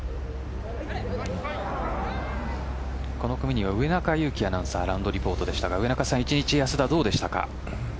この組には上中勇樹アナウンサーラウンドリポート一日、安田どうでしたか？